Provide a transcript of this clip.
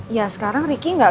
ya sekarang ricky enggak